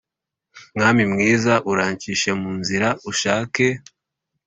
mwami mwiza uranshishe mu nzira ushake